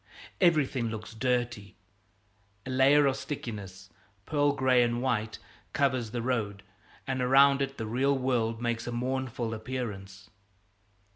Everything looks dirty. A layer of stickiness, pearl gray and white, covers the road, and around it the real world makes a mournful appearance.